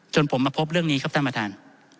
ผมมาพบเรื่องนี้ครับท่านประธาน